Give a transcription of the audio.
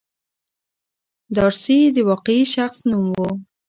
دارسي د واقعي شخص نوم و.